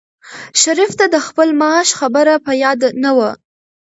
شریف ته د خپل معاش خبره په یاد نه وه.